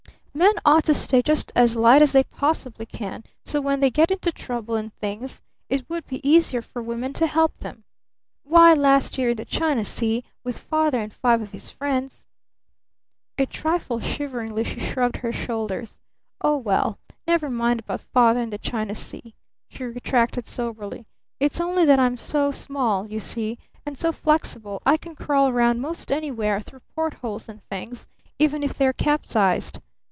"Men ought to stay just as light as they possibly can, so when they get into trouble and things it would be easier for women to help them. Why, last year in the China Sea with Father and five of his friends !" A trifle shiveringly she shrugged her shoulders. "Oh, well, never mind about Father and the China Sea," she retracted soberly. "It's only that I'm so small, you see, and so flexible I can crawl 'round most anywhere through port holes and things even if they're capsized.